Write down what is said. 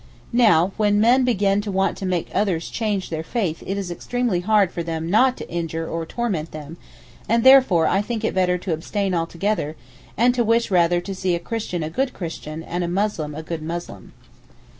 Now when men begin to want to make others change their faith it is extremely hard for them not to injure or torment them and therefore I think it better to abstain altogether and to wish rather to see a Christian a good Christian and a Muslim a good Muslim.